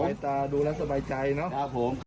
สบายตาดูแล้วสบายใจเนอะ